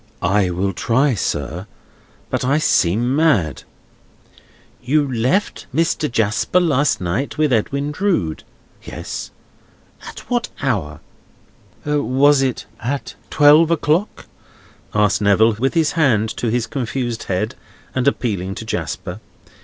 "I will try, sir, but I seem mad." "You left Mr. Jasper last night with Edwin Drood?" "Yes." "At what hour?" "Was it at twelve o'clock?" asked Neville, with his hand to his confused head, and appealing to Jasper.